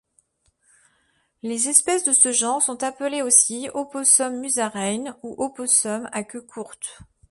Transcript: Les espèces de ce genre sont appelés aussi opossums-musaraignes ou opossums à queue courte.